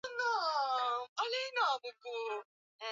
Kesi zinaweza kukwama katika mfumo wa kukabiliana na uhalifu